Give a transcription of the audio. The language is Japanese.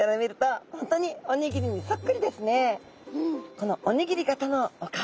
このおにぎり型のお顔